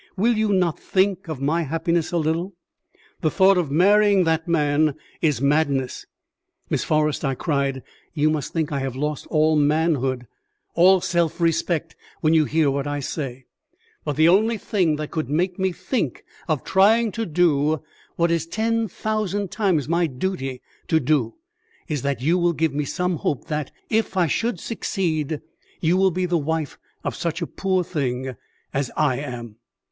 Will you not think of my happiness a little? The thought of marrying that man is madness." "Miss Forrest," I cried, "you must think I have lost all manhood, all self respect, when you hear what I say; but the only thing that could make me think of trying to do what is ten thousand times my duty to do, is that you will give me some hope that, if I should succeed, you will be the wife of such a poor thing as I am."